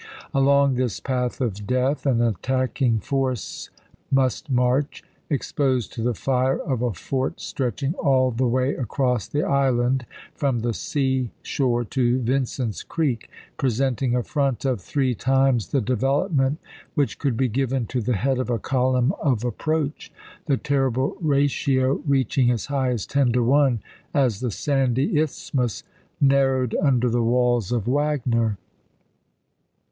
Along this path of death an attacking w^RyTVoi. force mnst march, exposed to the fire of a fort F^\^'f stretching all the way across the island from the sea shore to Vincent's Creek, presenting a front of three times the development which conld be given to the head of a column of approach, the terrible ratio reaching as high as ten to one as the sandy isthmus narrowed under the walls of Wagner.